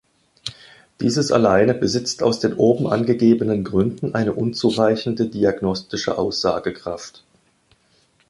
Dieses alleine besitzt aus den oben angegebenen Gründen eine unzureichende diagnostische Aussagekraft.